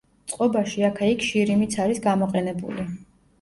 წყობაში აქა-იქ შირიმიც არის გამოყენებული.